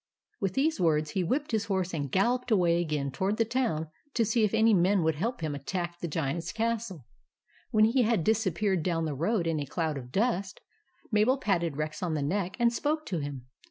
With these words, he whipped his horse and galloped away again toward the town to see if any men would help him to attack the 212 THE ADVENTURES OF MABEL Giant's castle. When he had disappeared down the road in a cloud of dust, Mabel patted Rex on the neck, and spoke to him.